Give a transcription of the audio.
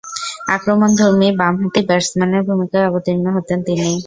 আক্রমণধর্মী বামহাতি ব্যাটসম্যানের ভূমিকায় অবতীর্ণ হতেন তিনি।